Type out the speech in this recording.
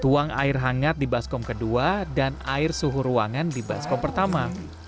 tuang air hangat di baskom kedua dan air suhu ruangan di baskom pertama